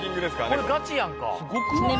これガチやんか。